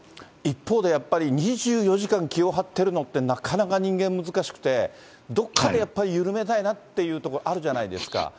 一方で、やっぱり２４時間気を張ってるのって、なかなか人間難しくて、どっかでやっぱり緩めたいなというとこ、あるじゃないですか。